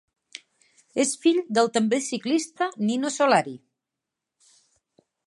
És fill del també ciclista Nino Solari.